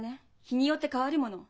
日によって変わるもの。